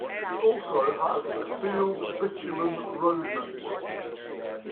It also has a sealed, bitumen road network.